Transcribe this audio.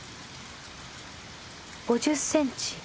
５０センチ？